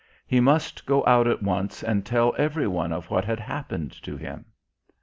He must go out at once and tell every one of what had happened to him.